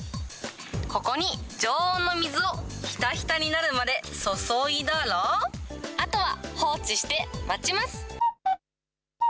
ここに常温の水をひたひたになるまで注いだら、あとは放置して待ちます。